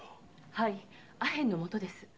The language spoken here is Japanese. はいアヘンの元です。